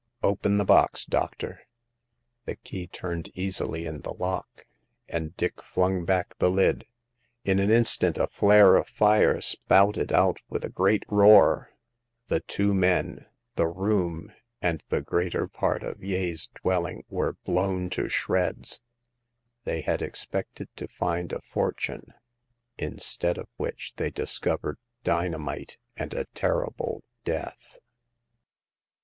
Open the box, doctor." The key turned easily in the lock, and Dick flung back the lid. In an instant a flare of fire spouted out with a great roar. The two men, the room, and the greater part of Yeh's dwelling were io6 Hagar of the Pawn Shop. blown to shreds. They had expected to find a fortune, instead of which they discovered dynamite and a terrible death.